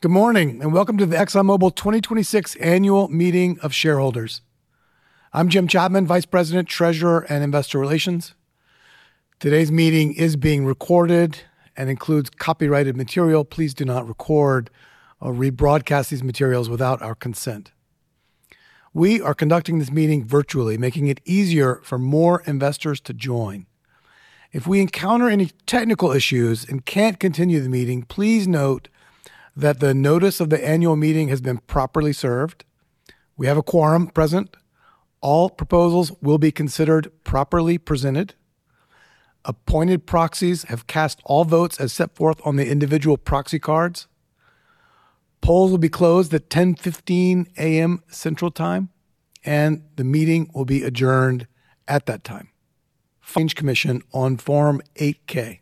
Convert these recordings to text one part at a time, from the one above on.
Good morning, and welcome to the ExxonMobil 2026 Annual Meeting of Shareholders. I'm Jim Chapman, Vice President, Treasurer, and Investor Relations. Today's meeting is being recorded and includes copyrighted material. Please do not record or rebroadcast these materials without our consent. We are conducting this meeting virtually, making it easier for more investors to join. If we encounter any technical issues and can't continue the meeting, please note that the notice of the annual meeting has been properly served. We have a quorum present. All proposals will be considered properly presented. Appointed proxies have cast all votes as set forth on the individual proxy cards. Polls will be closed at 10:15 AM Central Time, and the meeting will be adjourned at that time. Commission on Form 8-K.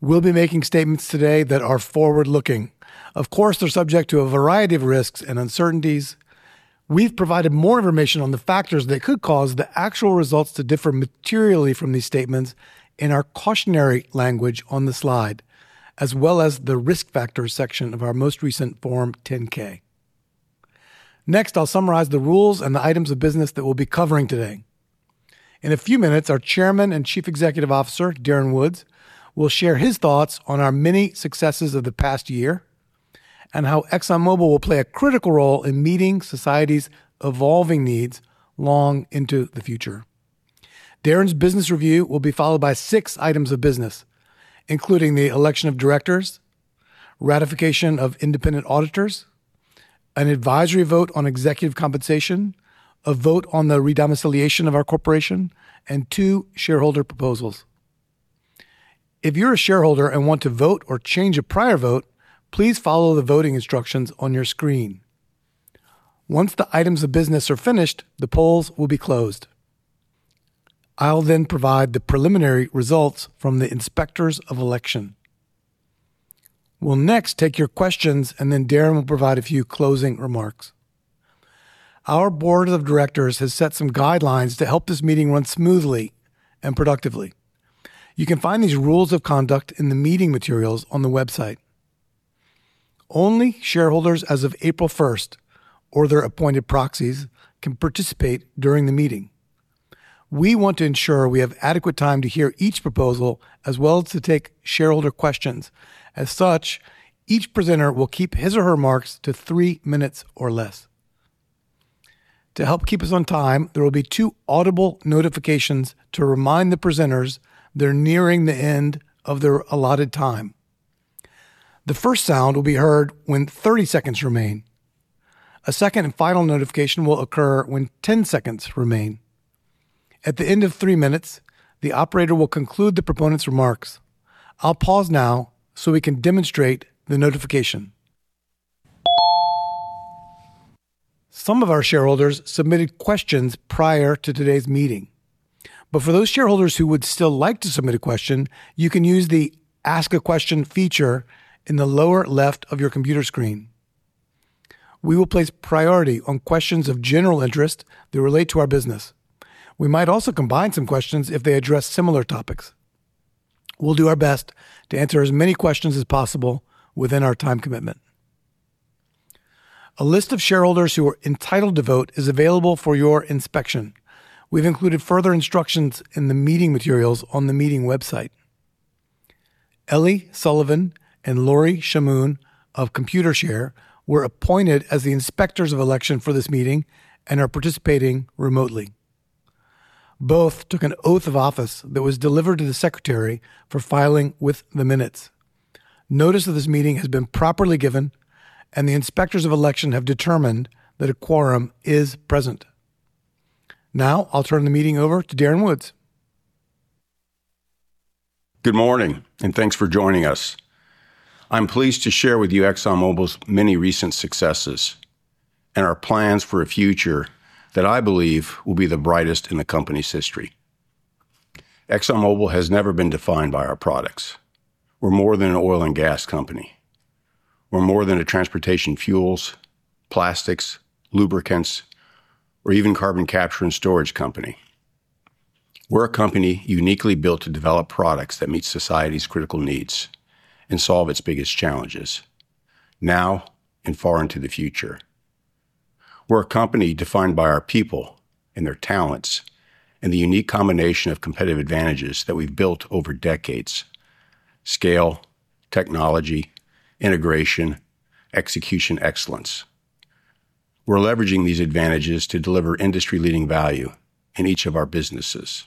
We'll be making statements today that are forward-looking. Of course, they're subject to a variety of risks and uncertainties. We've provided more information on the factors that could cause the actual results to differ materially from these statements in our cautionary language on the slide, as well as the risk factors section of our most recent Form 10-K. Next, I'll summarize the rules and the items of business that we'll be covering today. In a few minutes, our Chairman and Chief Executive Officer, Darren Woods, will share his thoughts on our many successes of the past year and how ExxonMobil will play a critical role in meeting society's evolving needs long into the future. Darren's business review will be followed by six items of business, including the election of directors, ratification of independent auditors, an advisory vote on executive compensation, a vote on the re-domiciliation of our corporation, and two shareholder proposals. If you're a shareholder and want to vote or change a prior vote, please follow the voting instructions on your screen. Once the items of business are finished, the polls will be closed. I'll then provide the preliminary results from the Inspectors of Election. We'll next take your questions, and then Darren will provide a few closing remarks. Our board of directors has set some guidelines to help this meeting run smoothly and productively. You can find these rules of conduct in the meeting materials on the website. Only shareholders as of April 1st or their appointed proxies can participate during the meeting. We want to ensure we have adequate time to hear each proposal, as well as to take shareholder questions. As such, each presenter will keep his or her marks to three minutes or less. To help keep us on time, there will be two audible notifications to remind the presenters they're nearing the end of their allotted time. The first sound will be heard when 30 seconds remain. A second and final notification will occur when 10 seconds remain. At the end of three minutes, the operator will conclude the proponent's remarks. I'll pause now so we can demonstrate the notification. Some of our shareholders submitted questions prior to today's meeting. For those shareholders who would still like to submit a question, you can use the Ask a Question feature in the lower left of your computer screen. We will place priority on questions of general interest that relate to our business. We might also combine some questions if they address similar topics. We'll do our best to answer as many questions as possible within our time commitment. A list of shareholders who are entitled to vote is available for your inspection. We've included further instructions in the meeting materials on the meeting website. Ellie Sullivan and Lori Chamoun of Computershare were appointed as the Inspectors of Election for this meeting and are participating remotely. Both took an oath of office that was delivered to the secretary for filing with the minutes. Notice of this meeting has been properly given, and the Inspectors of Election have determined that a quorum is present. Now, I'll turn the meeting over to Darren Woods. Good morning. Thanks for joining us. I'm pleased to share with you ExxonMobil's many recent successes and our plans for a future that I believe will be the brightest in the company's history. ExxonMobil has never been defined by our products. We're more than an oil and gas company. We're more than a transportation fuels, plastics, lubricants, or even carbon capture and storage company. We're a company uniquely built to develop products that meet society's critical needs and solve its biggest challenges, now and far into the future. We're a company defined by our people and their talents and the unique combination of competitive advantages that we've built over decades, scale, technology, integration, execution excellence. We're leveraging these advantages to deliver industry-leading value in each of our businesses.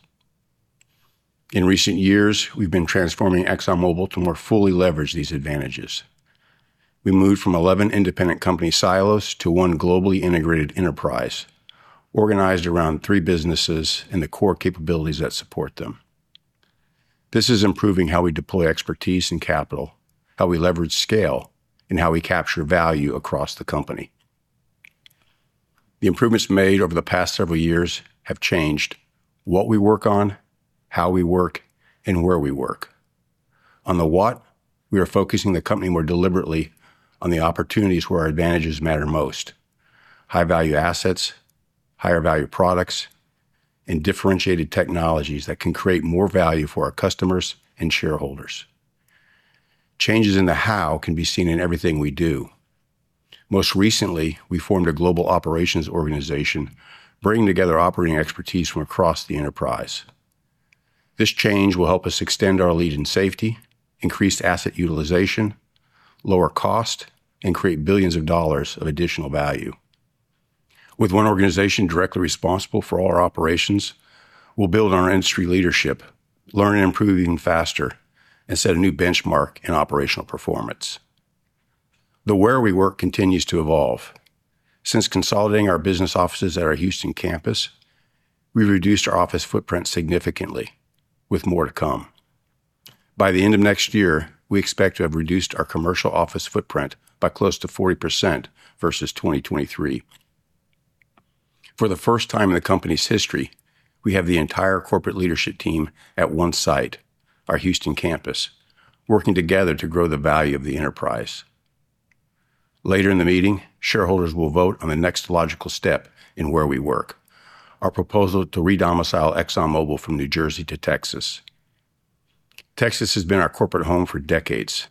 In recent years, we've been transforming ExxonMobil to more fully leverage these advantages. We moved from 11 independent company silos to one globally integrated enterprise, organized around three businesses and the core capabilities that support them. This is improving how we deploy expertise and capital, how we leverage scale, and how we capture value across the company. The improvements made over the past several years have changed what we work on, how we work, and where we work. On the what, we are focusing the company more deliberately on the opportunities where our advantages matter most, high-value assets, higher-value products, and differentiated technologies that can create more value for our customers and shareholders. Changes in the how can be seen in everything we do. Most recently, we formed a global operations organization, bringing together operating expertise from across the enterprise. This change will help us extend our lead in safety, increase asset utilization, lower cost, and create billions of dollars of additional value. With one organization directly responsible for all our operations, we'll build on our industry leadership, learn and improve even faster, and set a new benchmark in operational performance. The where we work continues to evolve. Since consolidating our business offices at our Houston campus, we've reduced our office footprint significantly, with more to come. By the end of next year, we expect to have reduced our commercial office footprint by close to 40% versus 2023. For the first time in the company's history, we have the entire corporate leadership team at one site, our Houston campus, working together to grow the value of the enterprise. Later in the meeting, shareholders will vote on the next logical step in where we work, our proposal to re-domicile ExxonMobil from New Jersey to Texas. Texas has been our corporate home for decades.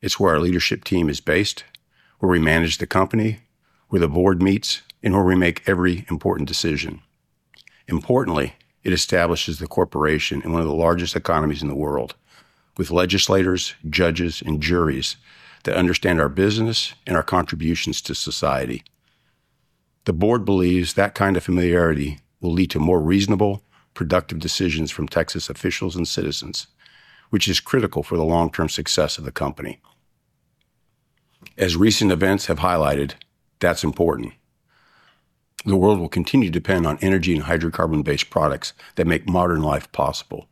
It's where our leadership team is based, where we manage the company, where the board meets, and where we make every important decision. Importantly, it establishes the corporation in one of the largest economies in the world, with legislators, judges, and juries that understand our business and our contributions to society. The board believes that kind of familiarity will lead to more reasonable, productive decisions from Texas officials and citizens, which is critical for the long-term success of the company. As recent events have highlighted, that's important. The world will continue to depend on energy and hydrocarbon-based products that make modern life possible.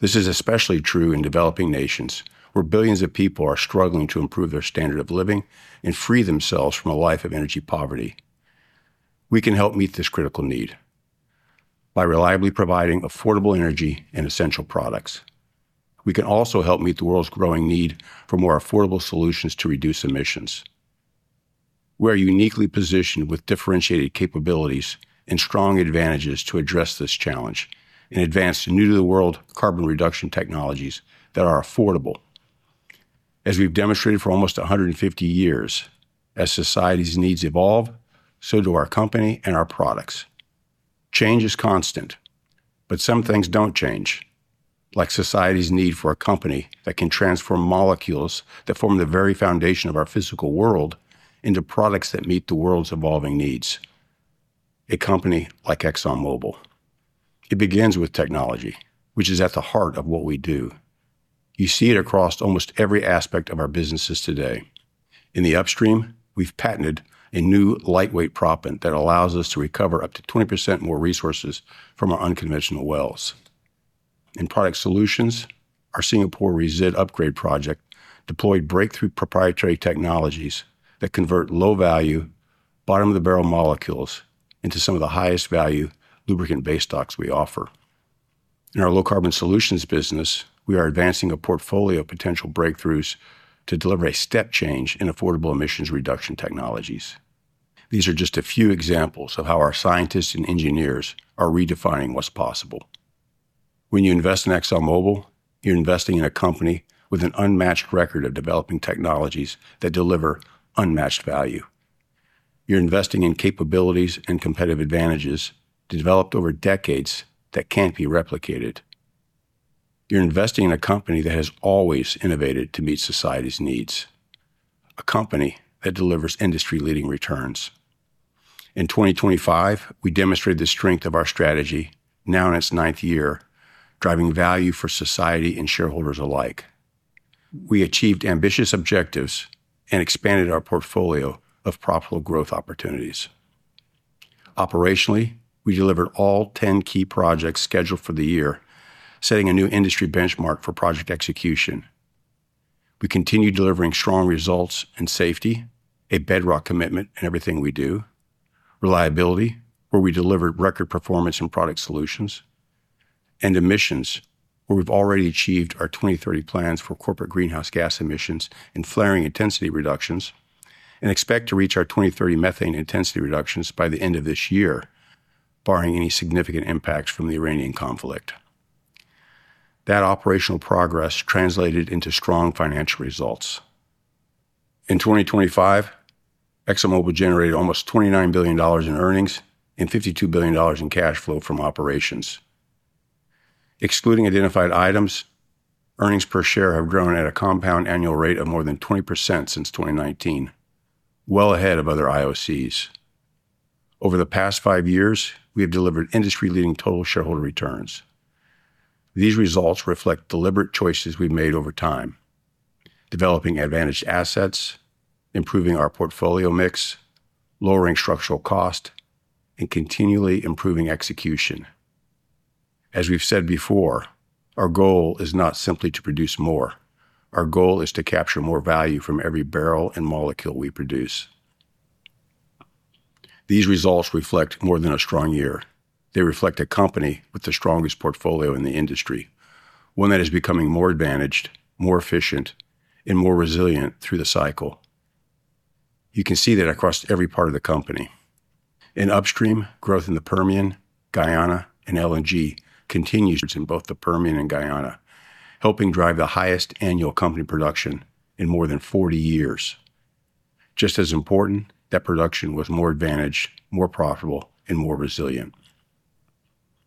This is especially true in developing nations, where billions of people are struggling to improve their standard of living and free themselves from a life of energy poverty. We can help meet this critical need by reliably providing affordable energy and essential products. We can also help meet the world's growing need for more affordable solutions to reduce emissions. We are uniquely positioned with differentiated capabilities and strong advantages to address this challenge and advance new-to-the-world carbon reduction technologies that are affordable. As we've demonstrated for almost 150 years, as society's needs evolve, so do our company and our products. Change is constant, but some things don't change, like society's need for a company that can transform molecules that form the very foundation of our physical world into products that meet the world's evolving needs. A company like ExxonMobil. It begins with technology, which is at the heart of what we do. You see it across almost every aspect of our businesses today. In the upstream, we've patented a new lightweight proppant that allows us to recover up to 20% more resources from our unconventional wells. In product solutions, our Singapore Resid Upgrade Project deployed breakthrough proprietary technologies that convert low-value, bottom-of-the-barrel molecules into some of the highest value lubricant base stocks we offer. In our Low Carbon Solutions business, we are advancing a portfolio of potential breakthroughs to deliver a step change in affordable emissions reduction technologies. These are just a few examples of how our scientists and engineers are redefining what's possible. When you invest in ExxonMobil, you're investing in a company with an unmatched record of developing technologies that deliver unmatched value. You're investing in capabilities and competitive advantages developed over decades that can't be replicated. You're investing in a company that has always innovated to meet society's needs, a company that delivers industry-leading returns. In 2025, we demonstrated the strength of our strategy, now in its ninth year, driving value for society and shareholders alike. We achieved ambitious objectives and expanded our portfolio of profitable growth opportunities. Operationally, we delivered all 10 key projects scheduled for the year, setting a new industry benchmark for project execution. We continue delivering strong results in safety, a bedrock commitment in everything we do, reliability, where we delivered record performance in product solutions, and emissions, where we've already achieved our 2030 plans for corporate greenhouse gas emissions and flaring intensity reductions and expect to reach our 2030 methane intensity reductions by the end of this year, barring any significant impacts from the Iranian conflict. That operational progress translated into strong financial results. In 2025, ExxonMobil generated almost $29 billion in earnings and $52 billion in cash flow from operations. Excluding identified items, earnings per share have grown at a compound annual rate of more than 20% since 2019, well ahead of other IOCs. Over the past five years, we have delivered industry-leading total shareholder returns. These results reflect deliberate choices we've made over time, developing advantaged assets, improving our portfolio mix, lowering structural cost, and continually improving execution. As we've said before, our goal is not simply to produce more. Our goal is to capture more value from every barrel and molecule we produce. These results reflect more than a strong year. They reflect a company with the strongest portfolio in the industry, one that is becoming more advantaged, more efficient and more resilient through the cycle. You can see that across every part of the company. In upstream, growth in the Permian, Guyana, and LNG continued in both the Permian and Guyana, helping drive the highest annual company production in more than 40 years. Just as important, that production was more advantaged, more profitable, and more resilient.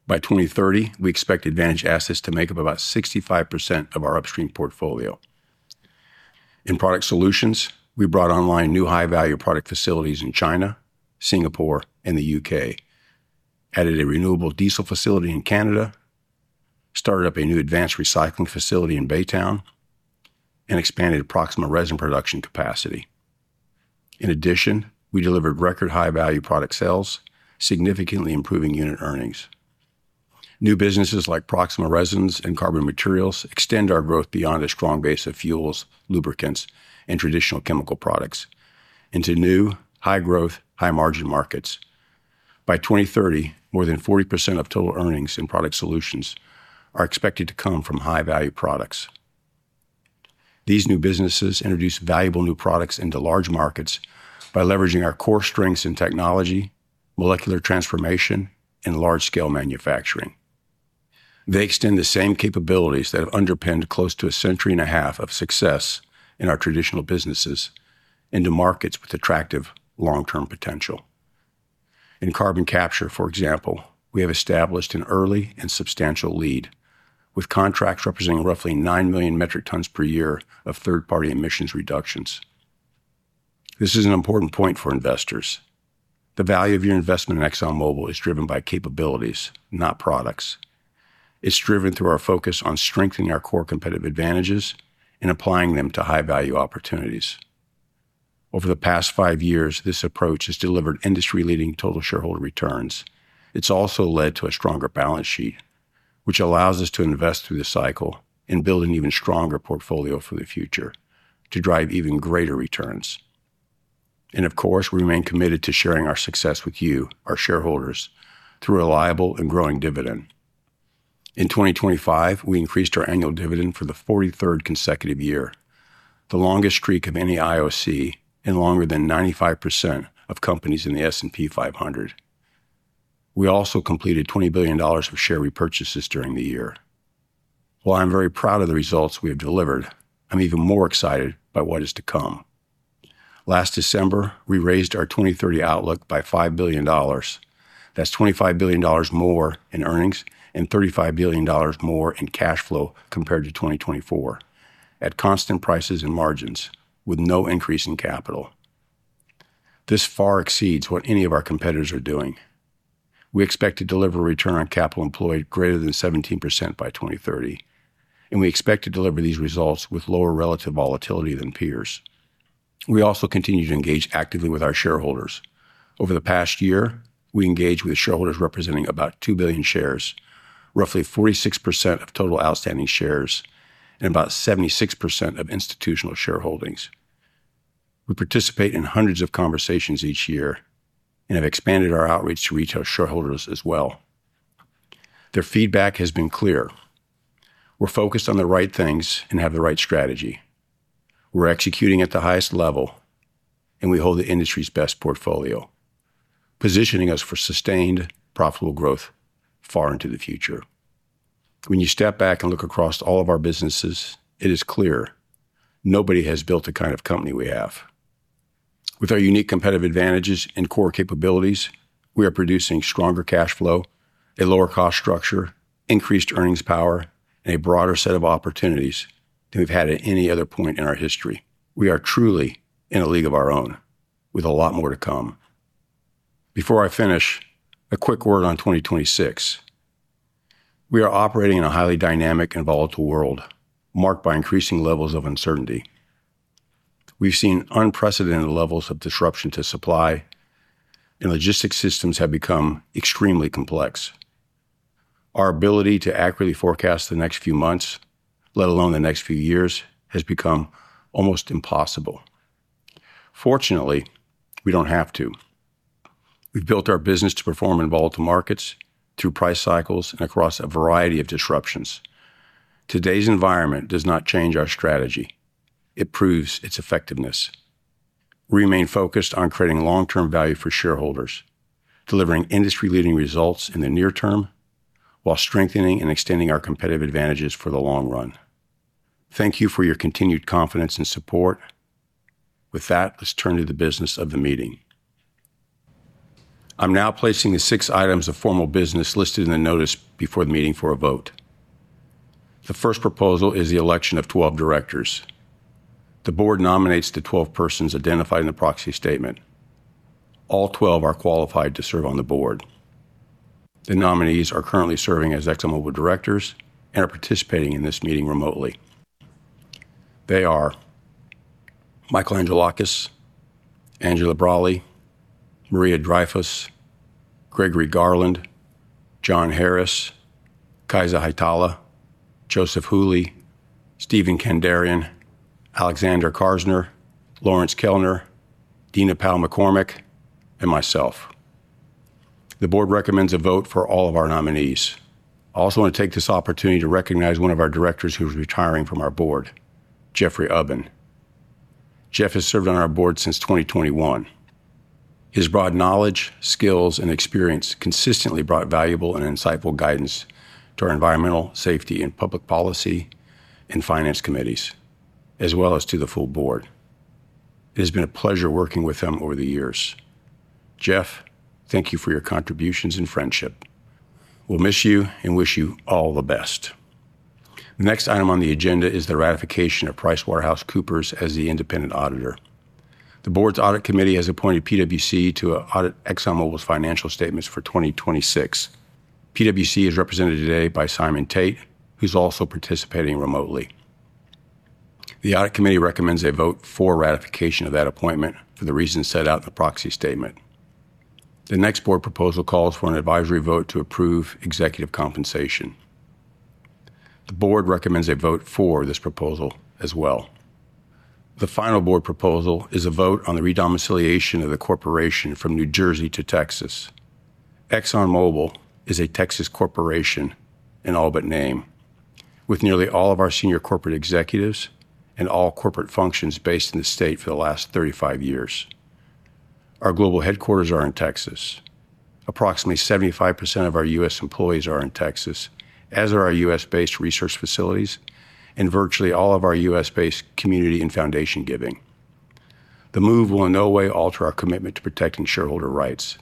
By 2030, we expect advantaged assets to make up about 65% of our upstream portfolio. In product solutions, we brought online new high-value product facilities in China, Singapore, and the U.K., added a renewable diesel facility in Canada, started up a new advanced recycling facility in Baytown, and expanded Proxxima resin production capacity. In addition, we delivered record high-value product sales, significantly improving unit earnings. New businesses like Proxxima Resins and Carbon Materials extend our growth beyond a strong base of fuels, lubricants, and traditional chemical products into new, high-growth, high-margin markets. By 2030, more than 40% of total earnings in product solutions are expected to come from high-value products. These new businesses introduce valuable new products into large markets by leveraging our core strengths in technology, molecular transformation, and large-scale manufacturing. They extend the same capabilities that have underpinned close to a century and a half of success in our traditional businesses into markets with attractive long-term potential. In carbon capture, for example, we have established an early and substantial lead, with contracts representing roughly 9 million metric tons per year of third-party emissions reductions. This is an important point for investors. The value of your investment in ExxonMobil is driven by capabilities, not products. It's driven through our focus on strengthening our core competitive advantages and applying them to high-value opportunities. Over the past five years, this approach has delivered industry-leading total shareholder returns. It's also led to a stronger balance sheet, which allows us to invest through the cycle and build an even stronger portfolio for the future to drive even greater returns. Of course, we remain committed to sharing our success with you, our shareholders, through a reliable and growing dividend. In 2025, we increased our annual dividend for the 43rd consecutive year, the longest streak of any IOC, and longer than 95% of companies in the S&P 500. We also completed $20 billion of share repurchases during the year. While I'm very proud of the results we have delivered, I'm even more excited by what is to come. Last December, we raised our 2030 outlook by $5 billion. That's $25 billion more in earnings and $35 billion more in cash flow compared to 2024 at constant prices and margins with no increase in capital. This far exceeds what any of our competitors are doing. We expect to deliver a return on capital employed greater than 17% by 2030, and we expect to deliver these results with lower relative volatility than peers. We also continue to engage actively with our shareholders. Over the past year, we engaged with shareholders representing about 2 billion shares, roughly 46% of total outstanding shares, and about 76% of institutional shareholdings. We participate in hundreds of conversations each year and have expanded our outreach to retail shareholders as well. Their feedback has been clear. We're focused on the right things and have the right strategy. We're executing at the highest level, and we hold the industry's best portfolio, positioning us for sustained, profitable growth far into the future. When you step back and look across all of our businesses, it is clear nobody has built the kind of company we have. With our unique competitive advantages and core capabilities, we are producing stronger cash flow, a lower cost structure, increased earnings power, and a broader set of opportunities than we've had at any other point in our history. We are truly in a league of our own with a lot more to come. Before I finish, a quick word on 2026. We are operating in a highly dynamic and volatile world, marked by increasing levels of uncertainty. We've seen unprecedented levels of disruption to supply and logistics systems have become extremely complex. Our ability to accurately forecast the next few months, let alone the next few years, has become almost impossible. Fortunately, we don't have to. We've built our business to perform in volatile markets, through price cycles, and across a variety of disruptions. Today's environment does not change our strategy. It proves its effectiveness. We remain focused on creating long-term value for shareholders, delivering industry-leading results in the near term while strengthening and extending our competitive advantages for the long run. Thank you for your continued confidence and support. With that, let's turn to the business of the meeting. I'm now placing the six items of formal business listed in the notice before the meeting for a vote. The first proposal is the election of 12 directors. The board nominates the 12 persons identified in the proxy statement. All 12 are qualified to serve on the board. The nominees are currently serving as ExxonMobil directors and are participating in this meeting remotely. They are Michael Angelakis, Angela Braly, Maria Dreyfus, Gregory Garland, John Harris, Kaisa Hietala, Joseph Hooley, Steven Kandarian, Alexander Karsner, Lawrence Kellner, Dina Powell McCormick, and myself. The board recommends a vote for all of our nominees. I also want to take this opportunity to recognize one of our directors who is retiring from our board, Jeffrey Ubben. Jeff has served on our board since 2021. His broad knowledge, skills, and experience consistently brought valuable and insightful guidance to our environmental, safety, and public policy, and finance committees, as well as to the full board. It has been a pleasure working with him over the years. Jeff, thank you for your contributions and friendship. We'll miss you and wish you all the best. The next item on the agenda is the ratification of PricewaterhouseCoopers as the independent auditor. The board's audit committee has appointed PwC to audit ExxonMobil's financial statements for 2026. PwC is represented today by Simon Tate, who's also participating remotely. The audit committee recommends a vote for ratification of that appointment for the reasons set out in the proxy statement. The next board proposal calls for an advisory vote to approve executive compensation. The board recommends a vote for this proposal as well. The final board proposal is a vote on the re-domiciliation of the corporation from New Jersey to Texas. ExxonMobil is a Texas corporation in all but name, with nearly all of our senior corporate executives and all corporate functions based in the state for the last 35 years. Our global headquarters are in Texas. Approximately 75% of our U.S. employees are in Texas, as are our U.S.-based research facilities and virtually all of our U.S.-based community and foundation giving. The move will in no way alter our commitment to protecting shareholder rights.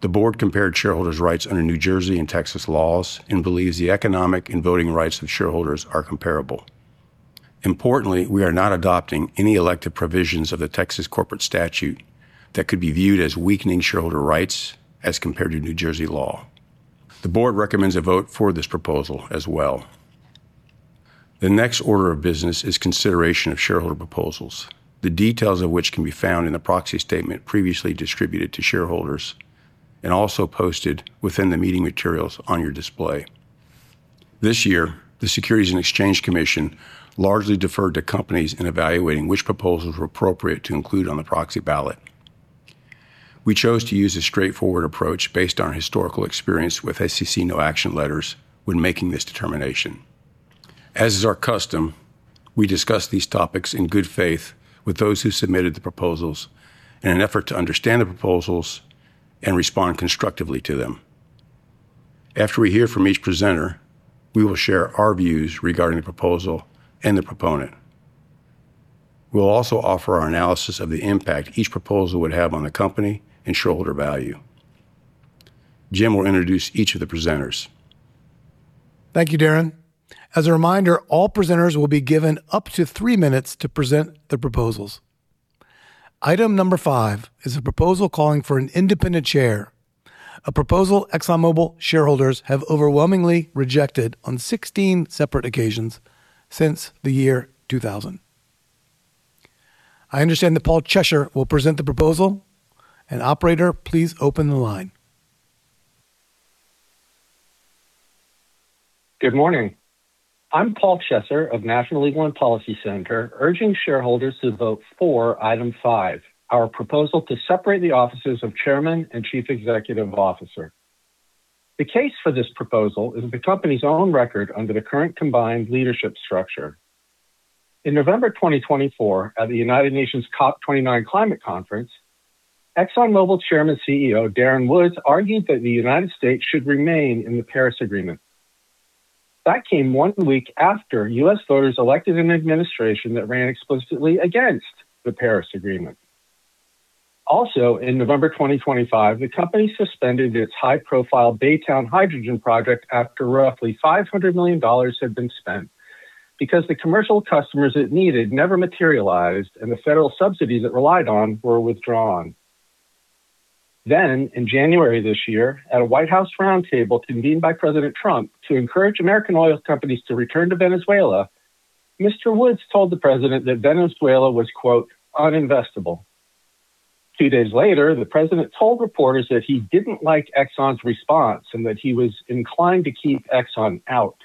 The board compared shareholders' rights under New Jersey and Texas laws and believes the economic and voting rights of shareholders are comparable. Importantly, we are not adopting any elective provisions of the Texas corporate statute that could be viewed as weakening shareholder rights as compared to New Jersey law. The board recommends a vote for this proposal as well. The next order of business is consideration of shareholder proposals, the details of which can be found in the proxy statement previously distributed to shareholders and also posted within the meeting materials on your display. This year, the Securities and Exchange Commission largely deferred to companies in evaluating which proposals were appropriate to include on the proxy ballot. We chose to use a straightforward approach based on our historical experience with SEC no-action letters when making this determination. As is our custom, we discussed these topics in good faith with those who submitted the proposals in an effort to understand the proposals and respond constructively to them. After we hear from each presenter, we will share our views regarding the proposal and the proponent. We'll also offer our analysis of the impact each proposal would have on the company and shareholder value. Jim will introduce each of the presenters. Thank you, Darren. As a reminder, all presenters will be given up to three minutes to present their proposals. Item number five is a proposal calling for an independent chair, a proposal ExxonMobil shareholders have overwhelmingly rejected on 16 separate occasions since the year 2000. I understand that Paul Chesser will present the proposal, and operator, please open the line. Good morning. I'm Paul Chesser of National Legal and Policy Center, urging shareholders to vote for item five, our proposal to separate the offices of chairman and chief executive officer. The case for this proposal is the company's own record under the current combined leadership structure. In November 2024, at the United Nations COP29 Climate Conference, ExxonMobil Chairman CEO Darren Woods argued that the U.S. should remain in the Paris Agreement. That came one week after U.S. voters elected an administration that ran explicitly against the Paris Agreement. In November 2025, the company suspended its high-profile Baytown hydrogen project after roughly $500 million had been spent because the commercial customers it needed never materialized, and the federal subsidies it relied on were withdrawn. In January this year, at a White House roundtable convened by President Trump to encourage American oil companies to return to Venezuela, Mr. Woods told the President that Venezuela was, quote, "uninvestable." Two days later, the President told reporters that he didn't like Exxon's response and that he was inclined to keep Exxon out.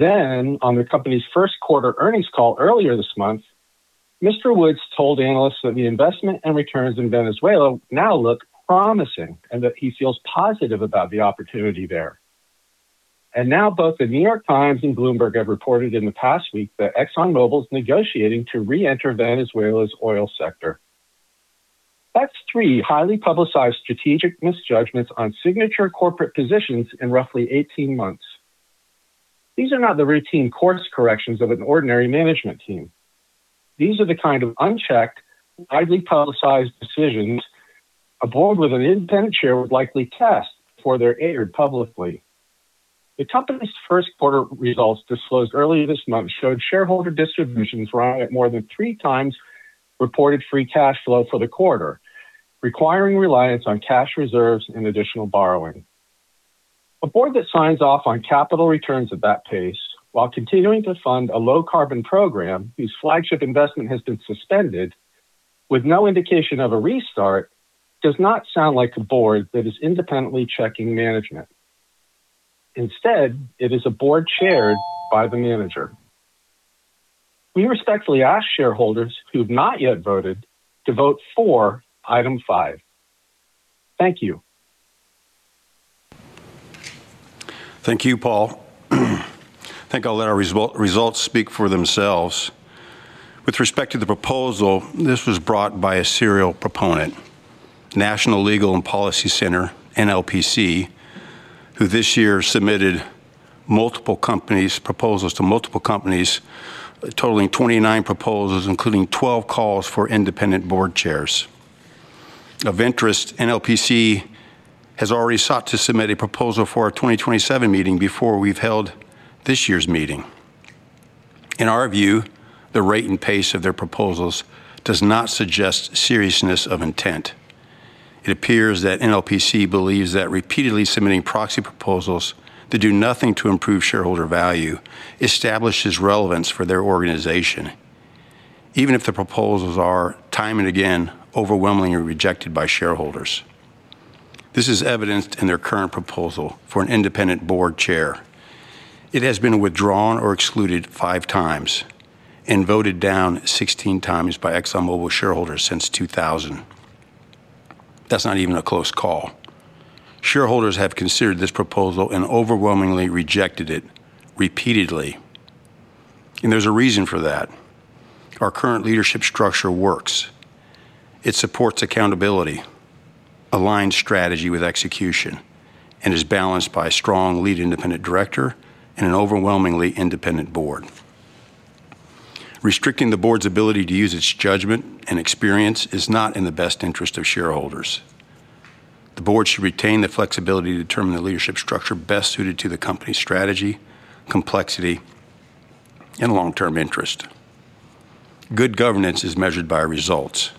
On the company's first quarter earnings call earlier this month, Mr. Woods told analysts that the investment and returns in Venezuela now look promising and that he feels positive about the opportunity there. Now both The New York Times and Bloomberg have reported in the past week that ExxonMobil's negotiating to reenter Venezuela's oil sector. That's three highly publicized strategic misjudgments on signature corporate positions in roughly 18 months. These are not the routine course corrections of an ordinary management team. These are the kind of unchecked, widely publicized decisions a board with an independent chair would likely test before they're aired publicly. The company's first quarter results disclosed earlier this month showed shareholder distributions ran at more than three times reported free cash flow for the quarter, requiring reliance on cash reserves and additional borrowing. A board that signs off on capital returns at that pace while continuing to fund a low-carbon program whose flagship investment has been suspended with no indication of a restart does not sound like a board that is independently checking management. Instead, it is a board chaired by the manager. We respectfully ask shareholders who've not yet voted to vote for item five. Thank you. Thank you, Paul. I think I'll let our results speak for themselves. With respect to the proposal, this was brought by a serial proponent, National Legal and Policy Center, NLPC, who this year submitted proposals to multiple companies totaling 29 proposals, including 12 calls for independent board chairs. Of interest, NLPC has already sought to submit a proposal for our 2027 meeting before we've held this year's meeting. In our view, the rate and pace of their proposals does not suggest seriousness of intent. It appears that NLPC believes that repeatedly submitting proxy proposals that do nothing to improve shareholder value establishes relevance for their organization, even if the proposals are time and again, overwhelmingly rejected by shareholders. This is evidenced in their current proposal for an independent board chair. It has been withdrawn or excluded five times and voted down 16 times by ExxonMobil shareholders since 2000. That's not even a close call. Shareholders have considered this proposal and overwhelmingly rejected it repeatedly, and there's a reason for that. Our current leadership structure works. It supports accountability, aligns strategy with execution, and is balanced by a strong lead independent director and an overwhelmingly independent board. Restricting the board's ability to use its judgment and experience is not in the best interest of shareholders. The board should retain the flexibility to determine the leadership structure best suited to the company's strategy, complexity, and long-term interest. Good governance is measured by results.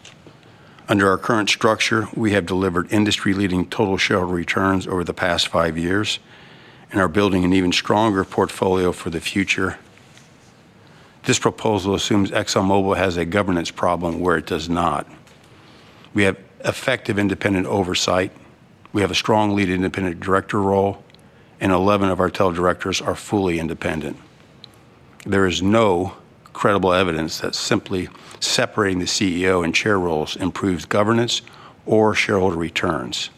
Under our current structure, we have delivered industry-leading total shareholder returns over the past five years and are building an even stronger portfolio for the future. This proposal assumes ExxonMobil has a governance problem where it does not. We have effective independent oversight. We have a strong lead independent director role, and 11 of our total directors are fully independent. There is no credible evidence that simply separating the CEO and Chair roles improves governance or shareholder returns.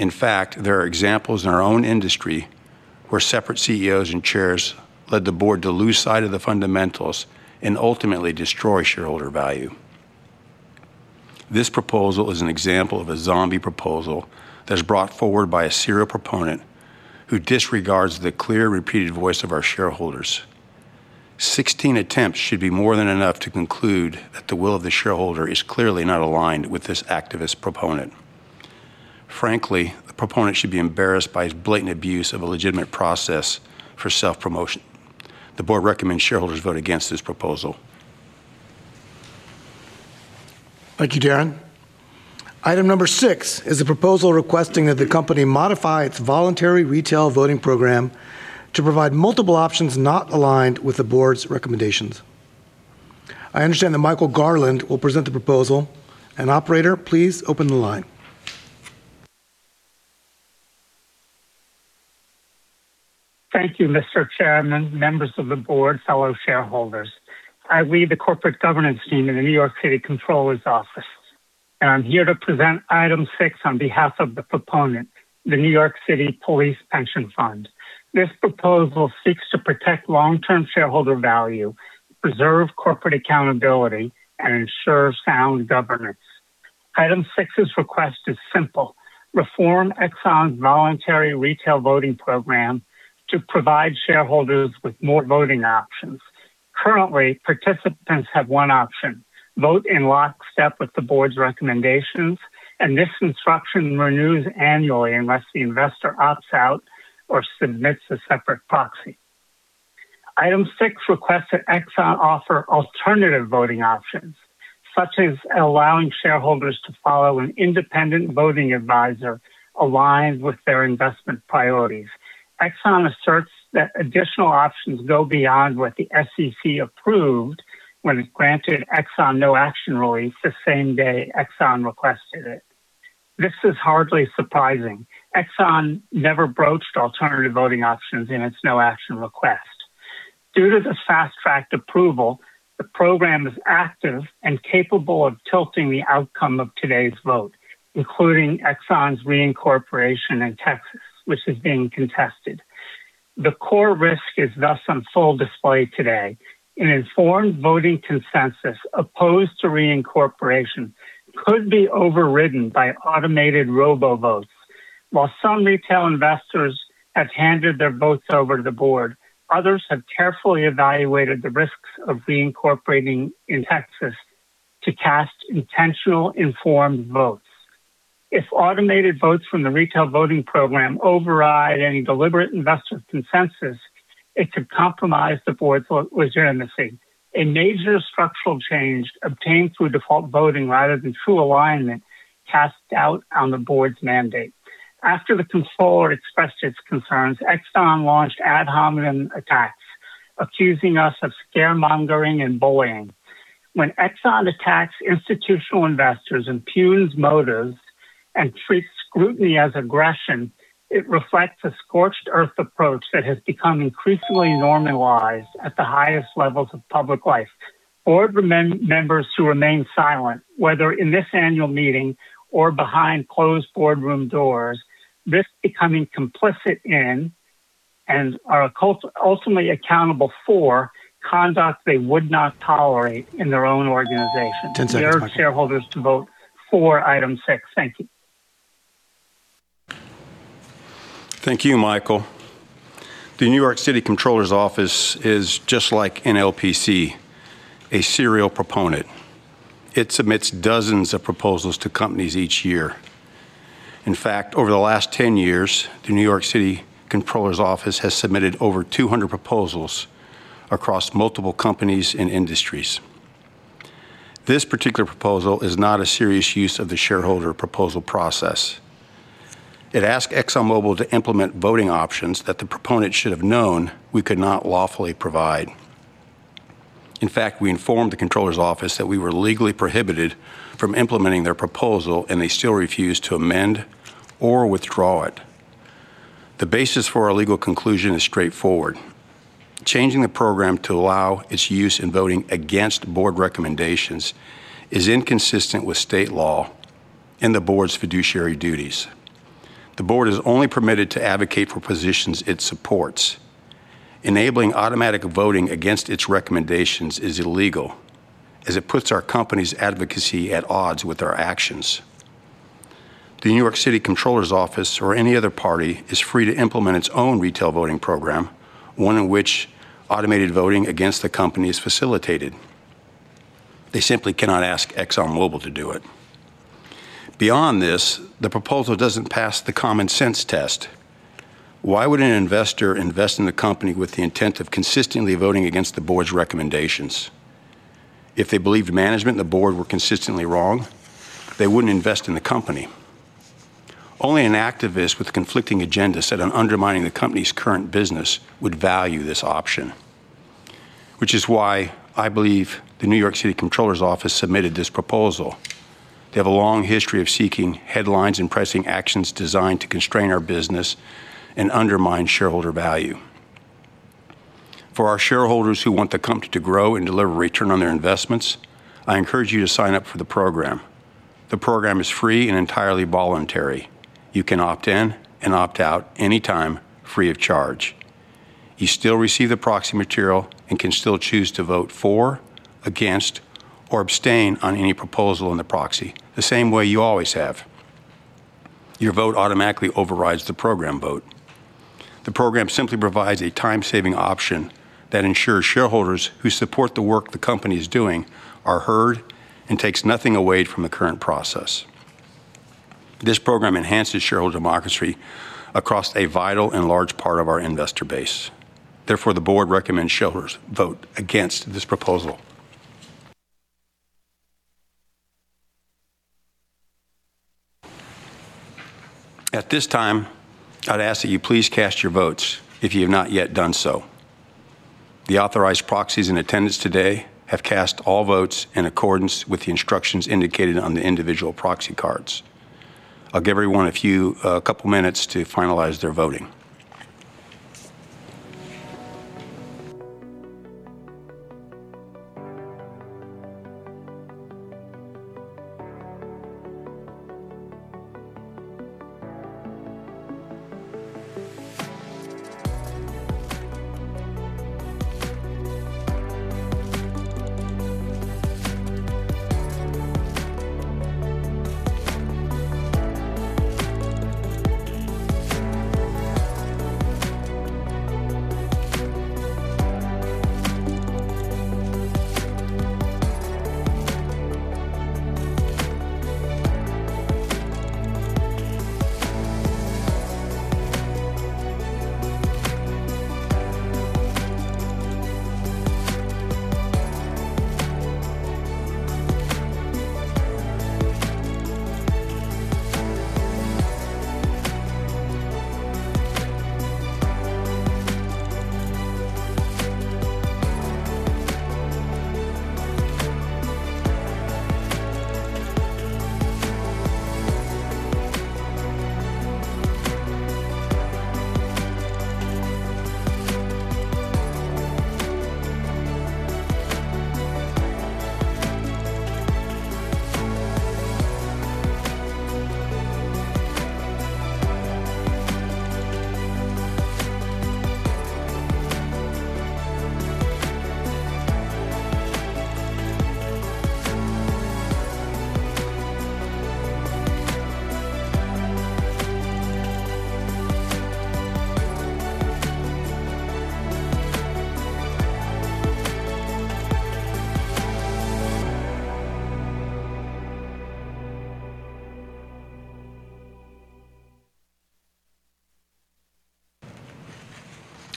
There are examples in our own industry where separate CEOs and Chairs led the board to lose sight of the fundamentals and ultimately destroy shareholder value. This proposal is an example of a zombie proposal that is brought forward by a serial proponent who disregards the clear repeated voice of our shareholders. 16 attempts should be more than enough to conclude that the will of the shareholder is clearly not aligned with this activist proponent. The proponent should be embarrassed by his blatant abuse of a legitimate process for self-promotion. The board recommends shareholders vote against this proposal. Thank you, Darren. Item number six is a proposal requesting that the company modify its voluntary retail voting program to provide multiple options not aligned with the board's recommendations. I understand that Michael Garland will present the proposal. Operator, please open the line. Thank you, Mr. Chairman, members of the board, fellow shareholders. I lead the corporate governance team in the New York City Comptroller's Office, and I'm here to present item six on behalf of the proponent, the New York City Police Pension Fund. This proposal seeks to protect long-term shareholder value, preserve corporate accountability, and ensure sound governance. Item six's request is simple, reform Exxon's voluntary retail voting program to provide shareholders with more voting options. Currently, participants have one option, vote in lockstep with the board's recommendations, and this instruction renews annually unless the investor opts out or submits a separate proxy. Item six requests that Exxon offer alternative voting options, such as allowing shareholders to follow an independent voting advisor aligned with their investment priorities. Exxon asserts that additional options go beyond what the SEC approved when it granted Exxon no-action relief the same day Exxon requested it. This is hardly surprising. Exxon never broached alternative voting options in its no-action request. Due to the fast-tracked approval, the program is active and capable of tilting the outcome of today's vote, including Exxon's reincorporation in Texas, which is being contested. The core risk is thus on full display today. An informed voting consensus opposed to reincorporation could be overridden by automated robo-votes. While some retail investors have handed their votes over to the board, others have carefully evaluated the risks of reincorporating in Texas to cast intentional informed votes. If automated votes from the retail voting program override any deliberate investor consensus, it could compromise the board's legitimacy. A major structural change obtained through default voting rather than true alignment casts doubt on the board's mandate. After the Comptroller expressed its concerns, Exxon launched ad hominem attacks, accusing us of scaremongering and bullying. When Exxon attacks institutional investors, impugns motives, and treats scrutiny as aggression, it reflects a scorched earth approach that has become increasingly normalized at the highest levels of public life. Board members who remain silent, whether in this annual meeting or behind closed boardroom doors, risk becoming complicit in, and are ultimately accountable for, conduct they would not tolerate in their own organization. 10 seconds, Michael. I urge shareholders to vote for item six. Thank you. Thank you, Michael. The New York City Comptroller's Office is just like NLPC, a serial proponent. It submits dozens of proposals to companies each year. In fact, over the last 10 years, the New York City Comptroller's Office has submitted over 200 proposals across multiple companies and industries. This particular proposal is not a serious use of the shareholder proposal process. It asked ExxonMobil to implement voting options that the proponents should have known we could not lawfully provide. In fact, we informed the Comptroller's Office that we were legally prohibited from implementing their proposal, and they still refused to amend or withdraw it. The basis for our legal conclusion is straightforward. Changing the program to allow its use in voting against board recommendations is inconsistent with state law and the board's fiduciary duties. The board is only permitted to advocate for positions it supports. Enabling automatic voting against its recommendations is illegal, as it puts our company's advocacy at odds with our actions. The New York City Comptroller's Office or any other party is free to implement its own retail voting program, one in which automated voting against the company is facilitated. They simply cannot ask ExxonMobil to do it. Beyond this, the proposal doesn't pass the common sense test. Why would an investor invest in the company with the intent of consistently voting against the board's recommendations? If they believed management and the board were consistently wrong, they wouldn't invest in the company. Only an activist with a conflicting agenda set on undermining the company's current business would value this option, which is why I believe the New York City Comptroller's Office submitted this proposal. They have a long history of seeking headlines and pressing actions designed to constrain our business and undermine shareholder value. For our shareholders who want the company to grow and deliver return on their investments, I encourage you to sign up for the program. The program is free and entirely voluntary. You can opt in and opt out anytime, free of charge. You still receive the proxy material and can still choose to vote for, against, or abstain on any proposal in the proxy, the same way you always have. Your vote automatically overrides the program vote. The program simply provides a time-saving option that ensures shareholders who support the work the company is doing are heard and takes nothing away from the current process. This program enhances shareholder democracy across a vital and large part of our investor base. Therefore, the board recommends shareholders vote against this proposal. At this time, I'd ask that you please cast your votes if you have not yet done so. The authorized proxies in attendance today have cast all votes in accordance with the instructions indicated on the individual proxy cards. I'll give everyone a couple of minutes to finalize their voting.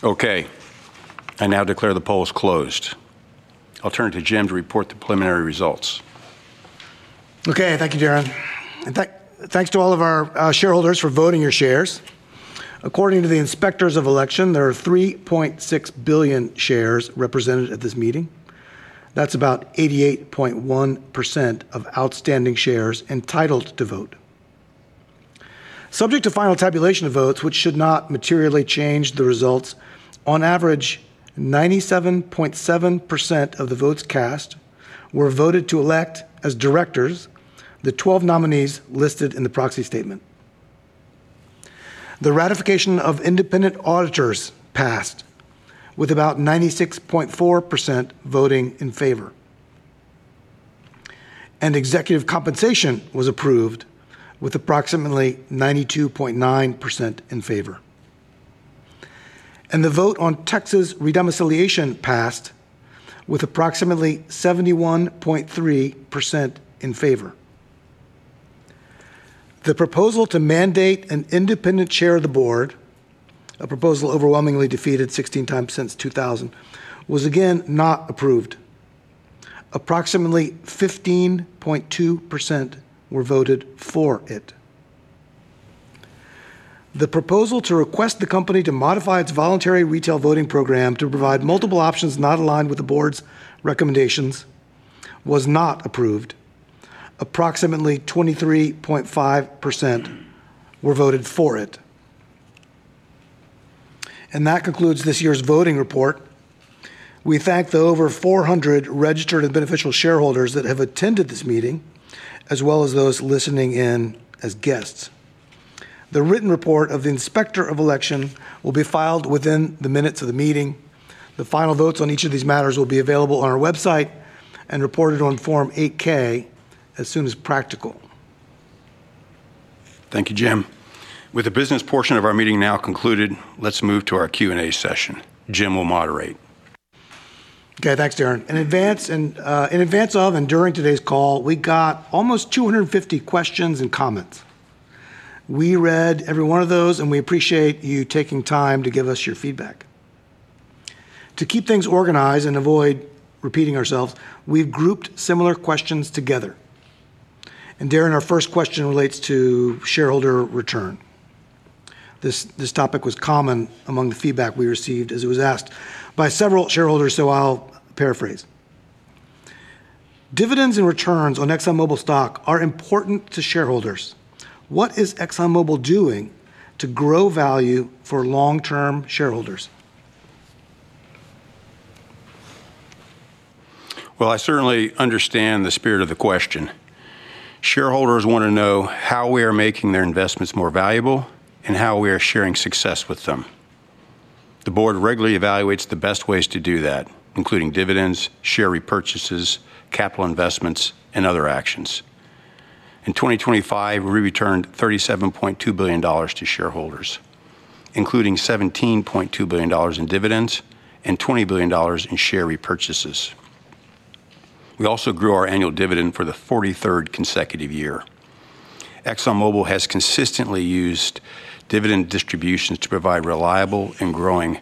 Okay, I now declare the polls closed. I'll turn to Jim to report the preliminary results. Okay. Thank you, Darren. Thanks to all of our shareholders for voting your shares. According to the Inspectors of Election, there are 3.6 billion shares represented at this meeting. That's about 88.1% of outstanding shares entitled to vote. Subject to final tabulation of votes, which should not materially change the results, on average, 97.7% of the votes cast were voted to elect as directors the 12 nominees listed in the proxy statement. The ratification of independent auditors passed with about 96.4% voting in favor, executive compensation was approved with approximately 92.9% in favor. The vote on Texas re-domiciliation passed with approximately 71.3% in favor. The proposal to mandate an independent chair of the board, a proposal overwhelmingly defeated 16 times since 2000, was again not approved. Approximately 15.2% were voted for it. The proposal to request the company to modify its voluntary retail voting program to provide multiple options not aligned with the board's recommendations was not approved. Approximately 23.5% were voted for it. That concludes this year's voting report. We thank the over 400 registered and beneficial shareholders that have attended this meeting, as well as those listening in as guests. The written report of the Inspector of Election will be filed within the minutes of the meeting. The final votes on each of these matters will be available on our website and reported on Form 8-K as soon as practical. Thank you, Jim. With the business portion of our meeting now concluded, let's move to our Q&A session. Jim will moderate. Okay, thanks, Darren. In advance of and during today's call, we got almost 250 questions and comments. We read every one of those, we appreciate you taking time to give us your feedback. To keep things organized and avoid repeating ourselves, we've grouped similar questions together. Darren, our first question relates to shareholder return. This topic was common among the feedback we received, as it was asked by several shareholders, I'll paraphrase. Dividends and returns on ExxonMobil stock are important to shareholders. What is ExxonMobil doing to grow value for long-term shareholders? Well, I certainly understand the spirit of the question. Shareholders want to know how we are making their investments more valuable and how we are sharing success with them. The board regularly evaluates the best ways to do that, including dividends, share repurchases, capital investments, and other actions. In 2025, we returned $37.2 billion to shareholders, including $17.2 billion in dividends and $20 billion in share repurchases. We also grew our annual dividend for the 43rd consecutive year. ExxonMobil has consistently used dividend distributions to provide reliable and growing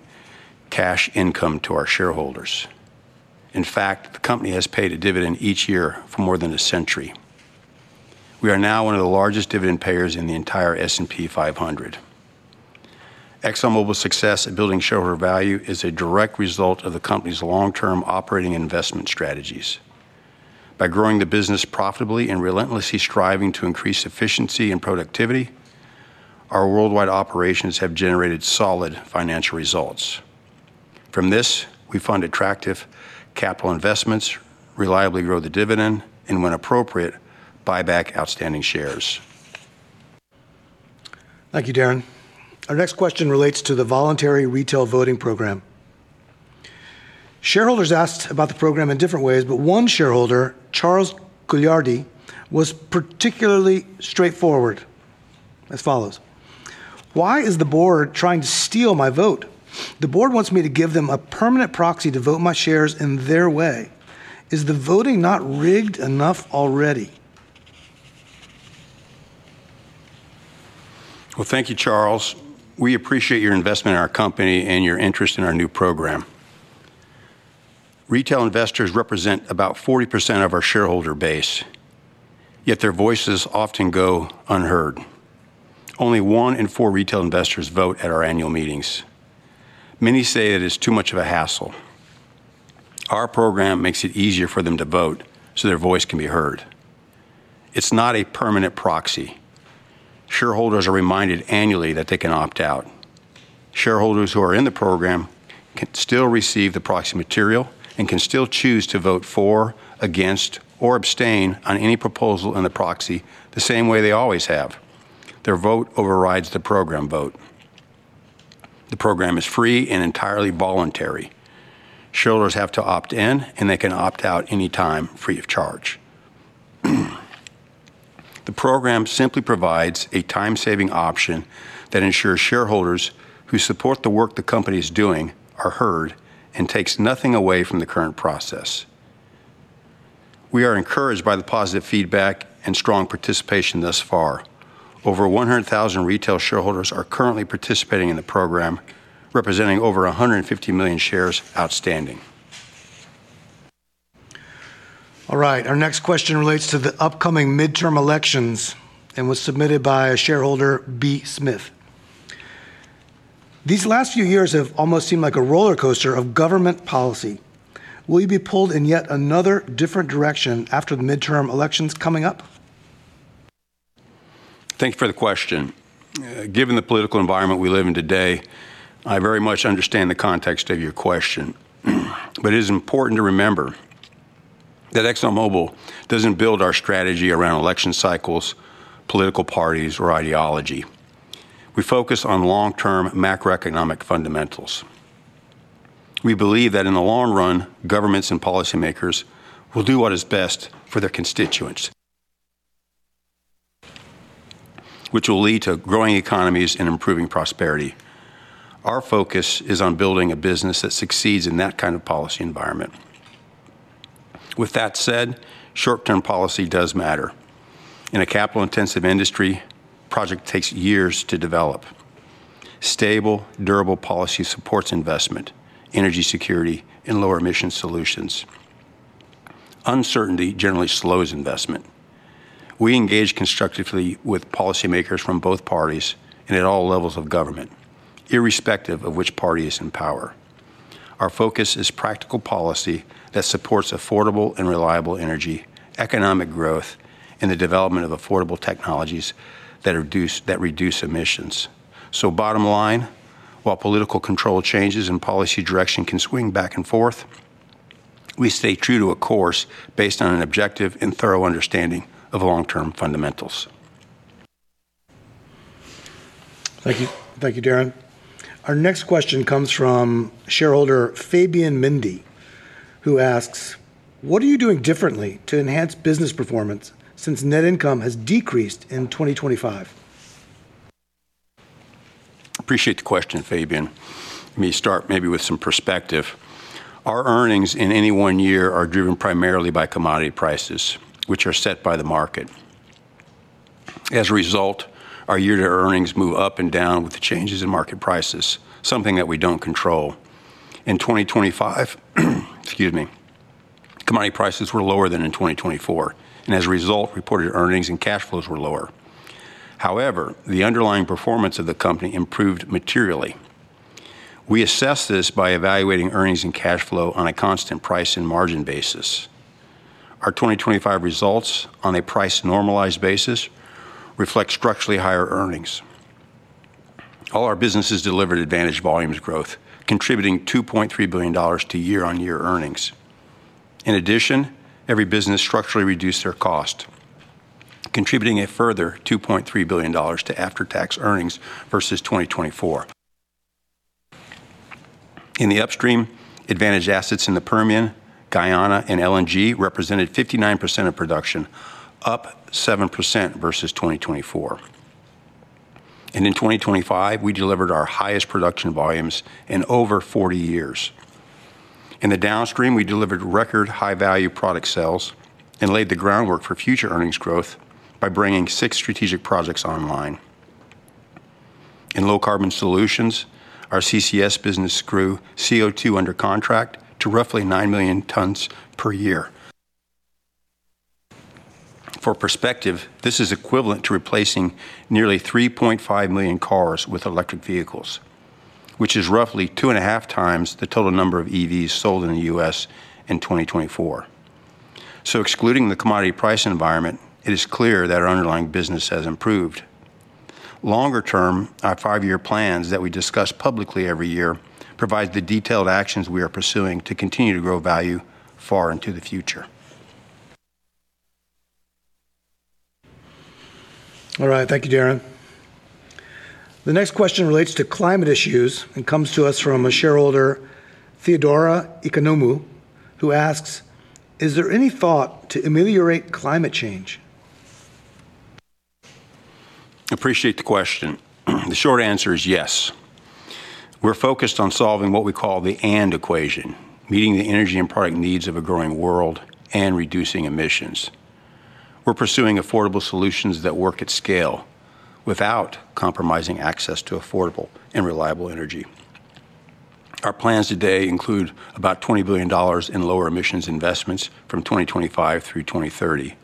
cash income to our shareholders. In fact, the company has paid a dividend each year for more than a century. We are now one of the largest dividend payers in the entire S&P 500. ExxonMobil's success at building shareholder value is a direct result of the company's long-term operating investment strategies. By growing the business profitably and relentlessly striving to increase efficiency and productivity, our worldwide operations have generated solid financial results. From this, we fund attractive capital investments, reliably grow the dividend, and when appropriate, buy back outstanding shares. Thank you, Darren. Our next question relates to the voluntary retail voting program. Shareholders asked about the program in different ways, but one shareholder, Charles Gagliardi, was particularly straightforward as follows: "Why is the board trying to steal my vote? The board wants me to give them a permanent proxy to vote my shares in their way. Is the voting not rigged enough already? Thank you, Charles. We appreciate your investment in our company and your interest in our new program. Retail investors represent about 40% of our shareholder base, yet their voices often go unheard. Only one in four retail investors vote at our annual meetings. Many say it is too much of a hassle. Our program makes it easier for them to vote so their voice can be heard. It's not a permanent proxy. Shareholders are reminded annually that they can opt out. Shareholders who are in the program can still receive the proxy material and can still choose to vote for, against, or abstain on any proposal in the proxy the same way they always have. Their vote overrides the program vote. The program is free and entirely voluntary. Shareholders have to opt in, and they can opt out anytime, free of charge. The program simply provides a time-saving option that ensures shareholders who support the work the company is doing are heard and takes nothing away from the current process. We are encouraged by the positive feedback and strong participation thus far. Over 100,000 retail shareholders are currently participating in the program, representing over 150 million shares outstanding. All right. Our next question relates to the upcoming midterm elections and was submitted by a shareholder, B. Smith. These last few years have almost seemed like a roller coaster of government policy. Will you be pulled in yet another different direction after the midterm elections coming up? Thank you for the question. Given the political environment we live in today, I very much understand the context of your question, it is important to remember that ExxonMobil doesn't build our strategy around election cycles, political parties, or ideology. We focus on long-term macroeconomic fundamentals. We believe that in the long run, governments and policymakers will do what is best for their constituents, which will lead to growing economies and improving prosperity. Our focus is on building a business that succeeds in that kind of policy environment. With that said, short-term policy does matter. In a capital-intensive industry, project takes years to develop. Stable, durable policy supports investment, energy security, and lower emission solutions. Uncertainty generally slows investment. We engage constructively with policymakers from both parties and at all levels of government, irrespective of which party is in power. Our focus is practical policy that supports affordable and reliable energy, economic growth, and the development of affordable technologies that reduce emissions. Bottom line, while political control changes and policy direction can swing back and forth, we stay true to a course based on an objective and thorough understanding of long-term fundamentals. Thank you, Darren. Our next question comes from shareholder Fabian Mindy, who asks, what are you doing differently to enhance business performance since net income has decreased in 2025? Appreciate the question, Fabian. Let me start maybe with some perspective. Our earnings in any one year are driven primarily by commodity prices, which are set by the market. As a result, our year-to-year earnings move up and down with the changes in market prices, something that we don't control. In 2025, excuse me, commodity prices were lower than in 2024. As a result, reported earnings and cash flows were lower. However, the underlying performance of the company improved materially. We assess this by evaluating earnings and cash flow on a constant price and margin basis. Our 2025 results on a price-normalized basis reflect structurally higher earnings. All our businesses delivered advantaged volumes growth, contributing $2.3 billion to year-on-year earnings. In addition, every business structurally reduced their cost, contributing a further $2.3 billion to after-tax earnings versus 2024. In the upstream, advantaged assets in the Permian, Guyana, and LNG represented 59% of production, up 7% versus 2024. In 2025, we delivered our highest production volumes in over 40 years. In the downstream, we delivered record high-value product sales and laid the groundwork for future earnings growth by bringing six strategic projects online. In Low Carbon Solutions, our CCS business grew CO2 under contract to roughly 9 million tons per year. For perspective, this is equivalent to replacing nearly 3.5 million cars with electric vehicles, which is roughly two and a half times the total number of EVs sold in the U.S. in 2024. Excluding the commodity price environment, it is clear that our underlying business has improved. Longer term, our five-year plans that we discuss publicly every year provide the detailed actions we are pursuing to continue to grow value far into the future. All right. Thank you, Darren. The next question relates to climate issues and comes to us from a shareholder, Theodora Economou, who asks, "Is there any thought to ameliorate climate change? Appreciate the question. The short answer is yes. We're focused on solving what we call the and equation, meeting the energy and product needs of a growing world and reducing emissions. We're pursuing affordable solutions that work at scale without compromising access to affordable and reliable energy. Our plans today include about $20 billion in lower emissions investments from 2025 through 2030.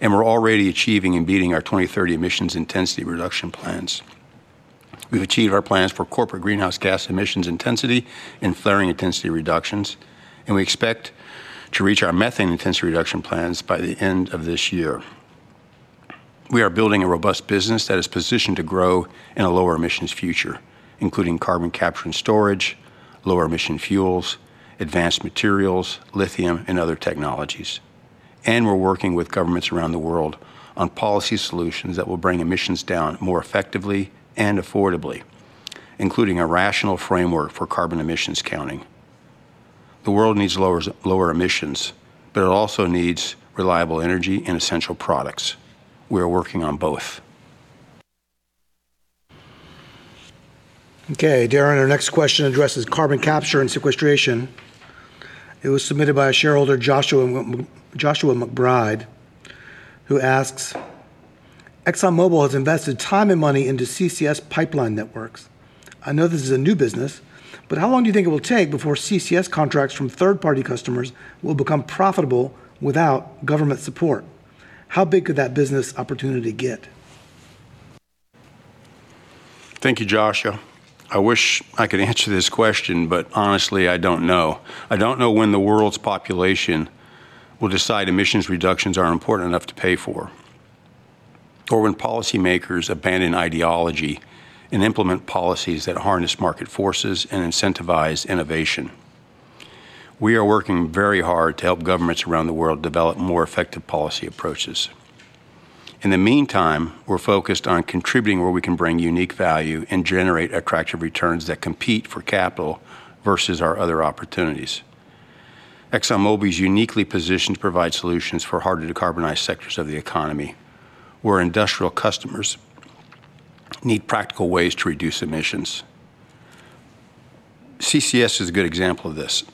We're already achieving and beating our 2030 emissions intensity reduction plans. We've achieved our plans for corporate greenhouse gas emissions intensity and flaring intensity reductions. We expect to reach our methane intensity reduction plans by the end of this year. We are building a robust business that is positioned to grow in a lower emissions future, including carbon capture and storage, lower emission fuels, advanced materials, lithium, and other technologies. We're working with governments around the world on policy solutions that will bring emissions down more effectively and affordably, including a rational framework for carbon emissions counting. The world needs lower emissions, but it also needs reliable energy and essential products. We are working on both. Okay, Darren, our next question addresses carbon capture and sequestration. It was submitted by a shareholder, Joshua McBride, who asks, "ExxonMobil has invested time and money into CCS pipeline networks. I know this is a new business, but how long do you think it will take before CCS contracts from third-party customers will become profitable without government support? How big could that business opportunity get? Thank you, Joshua. I wish I could answer this question, but honestly, I don't know. I don't know when the world's population will decide emissions reductions are important enough to pay for, or when policymakers abandon ideology and implement policies that harness market forces and incentivize innovation. We are working very hard to help governments around the world develop more effective policy approaches. In the meantime, we're focused on contributing where we can bring unique value and generate attractive returns that compete for capital versus our other opportunities. ExxonMobil is uniquely positioned to provide solutions for hard-to-decarbonize sectors of the economy, where industrial customers need practical ways to reduce emissions. CCS is a good example of this.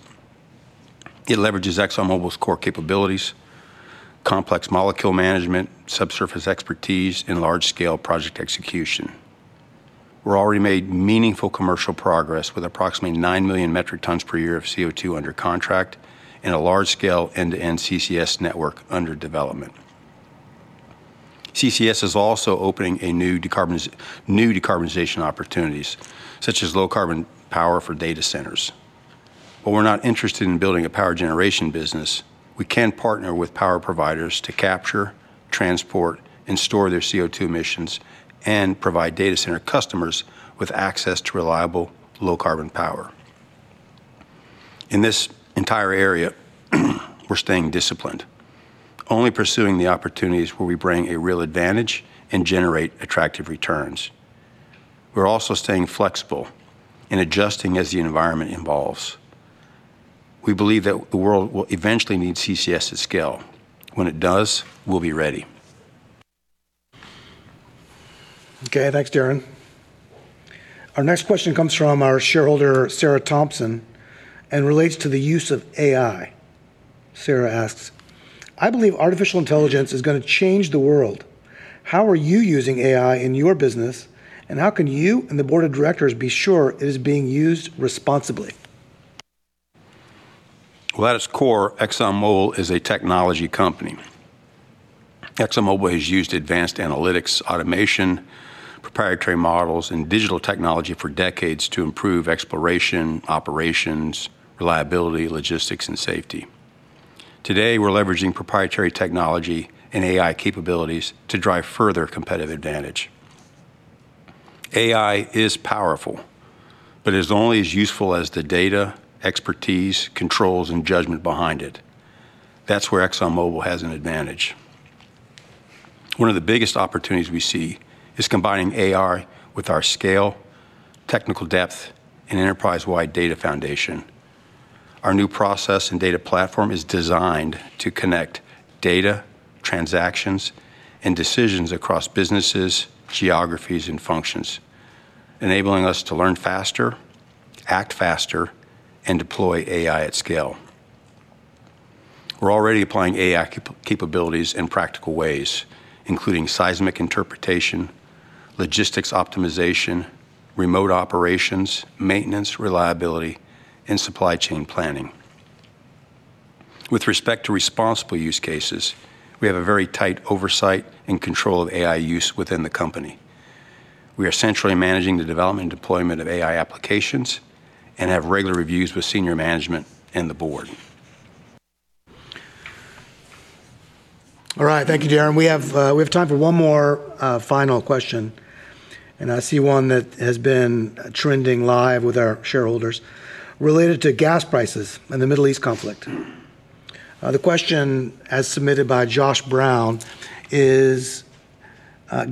It leverages ExxonMobil's core capabilities, complex molecule management, subsurface expertise, and large-scale project execution. We've already made meaningful commercial progress with approximately 9 million metric tons per year of CO2 under contract, and a large-scale end-to-end CCS network under development. CCS is also opening new decarbonization opportunities, such as low-carbon power for data centers. We're not interested in building a power generation business. We can partner with power providers to capture, transport, and store their CO2 emissions and provide data center customers with access to reliable, low-carbon power. In this entire area we're staying disciplined, only pursuing the opportunities where we bring a real advantage and generate attractive returns. We're also staying flexible and adjusting as the environment evolves. We believe that the world will eventually need CCS at scale. When it does, we'll be ready. Okay, thanks, Darren. Our next question comes from our shareholder, Sarah Thompson, and relates to the use of AI. Sarah asks, "I believe artificial intelligence is going to change the world. How are you using AI in your business, and how can you and the board of directors be sure it is being used responsibly? Well, at its core, ExxonMobil is a technology company. ExxonMobil has used advanced analytics, automation, proprietary models, and digital technology for decades to improve exploration, operations, reliability, logistics, and safety. Today, we're leveraging proprietary technology and AI capabilities to drive further competitive advantage. AI is powerful, is only as useful as the data, expertise, controls, and judgment behind it. That's where ExxonMobil has an advantage. One of the biggest opportunities we see is combining AI with our scale, technical depth, and enterprise-wide data foundation. Our new process and data platform is designed to connect data, transactions, and decisions across businesses, geographies, and functions, enabling us to learn faster, act faster, and deploy AI at scale. We're already applying AI capabilities in practical ways, including seismic interpretation, logistics optimization, remote operations, maintenance reliability, and supply chain planning. With respect to responsible use cases, we have a very tight oversight and control of AI use within the company. We are centrally managing the development and deployment of AI applications and have regular reviews with senior management and the board. All right. Thank you, Darren. We have time for one more final question. I see one that has been trending live with our shareholders related to gas prices and the Middle East conflict. The question, as submitted by Josh Brown, is,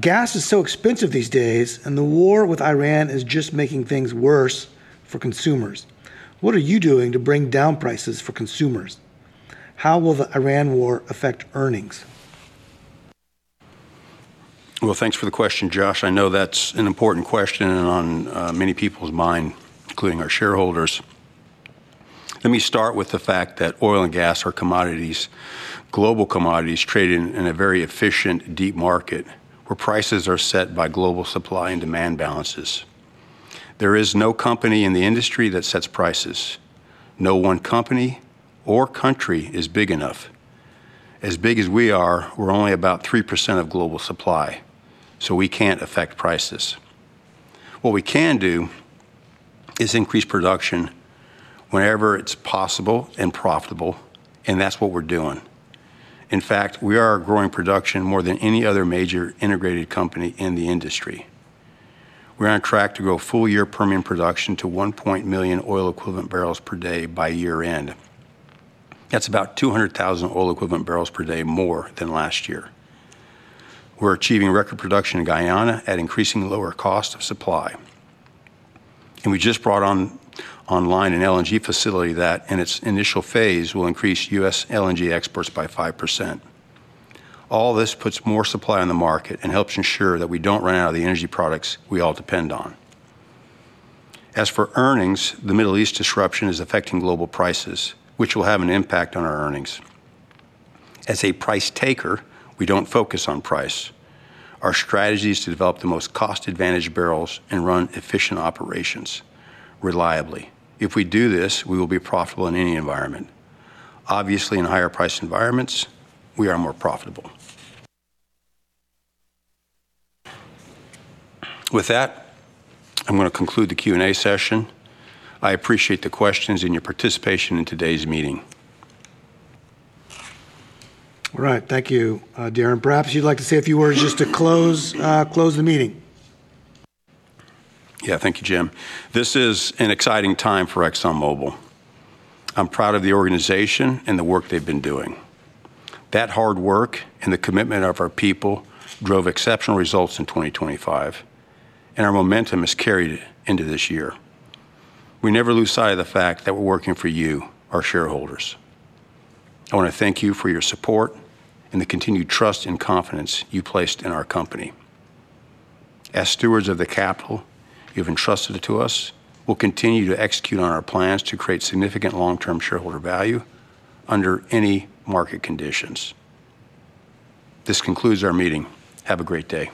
"Gas is so expensive these days. The war with Iran is just making things worse for consumers. What are you doing to bring down prices for consumers? How will the Iran war affect earnings?" Well, thanks for the question, Josh. I know that's an important question and on many people's minds, including our shareholders. Let me start with the fact that oil and gas are global commodities traded in a very efficient, deep market where prices are set by global supply and demand balances. There is no company in the industry that sets prices. No one company or country is big enough. As big as we are, we're only about 3% of global supply, so we can't affect prices. What we can do is increase production wherever it's possible and profitable, and that's what we're doing. In fact, we are growing production more than any other major integrated company in the industry. We're on track to grow full-year Permian production to 1 million oil equivalent barrels per day by year-end. That's about 200,000 oil equivalent barrels per day more than last year. We're achieving record production in Guyana at increasingly lower cost of supply. We just brought online an LNG facility that, in its initial phase, will increase U.S. LNG exports by 5%. All this puts more supply on the market and helps ensure that we don't run out of the energy products we all depend on. As for earnings, the Middle East disruption is affecting global prices, which will have an impact on our earnings. As a price taker, we don't focus on price. Our strategy is to develop the most cost-advantaged barrels and run efficient operations reliably. If we do this, we will be profitable in any environment. Obviously, in higher-priced environments, we are more profitable. With that, I'm going to conclude the Q&A session. I appreciate the questions and your participation in today's meeting. All right. Thank you, Darren. Perhaps you'd like to say a few words just to close the meeting. Yeah, thank you, Jim. This is an exciting time for ExxonMobil. I'm proud of the organization and the work they've been doing. That hard work and the commitment of our people drove exceptional results in 2025, and our momentum has carried into this year. We never lose sight of the fact that we're working for you, our shareholders. I want to thank you for your support and the continued trust and confidence you placed in our company. As stewards of the capital you've entrusted to us, we'll continue to execute on our plans to create significant long-term shareholder value under any market conditions. This concludes our meeting. Have a great day.